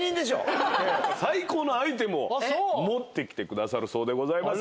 最高のアイテムを持ってきてくださるそうでございますよ。